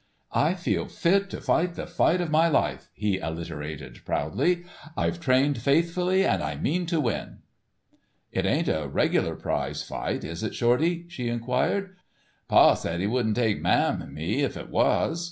"I feel fit to fight the fight of my life," he alliterated proudly. "I've trained faithfully and I mean to win." "It ain't a regular prize fight, is it, Shorty?" she enquired. "Pa said he wouldn't take ma an' me if it was.